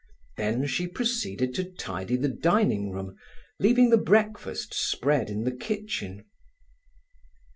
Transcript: Then she proceeded to tidy the dining room, leaving the breakfast spread in the kitchen.